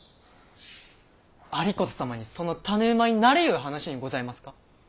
有功様にその種馬になれいう話にございますか。